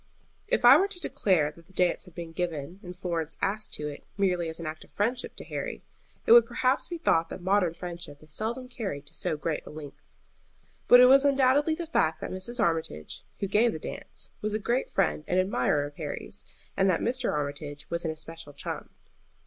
If I were to declare that the dance had been given and Florence asked to it merely as an act of friendship to Harry, it would perhaps be thought that modern friendship is seldom carried to so great a length. But it was undoubtedly the fact that Mrs. Armitage, who gave the dance, was a great friend and admirer of Harry's, and that Mr. Armitage was an especial chum.